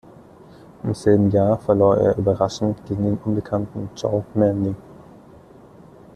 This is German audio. Im selben Jahr verlor er überraschend gegen den unbekannten Joe Manley.